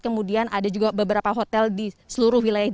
kemudian ada juga beberapa hotel di seluruh wilayah indonesia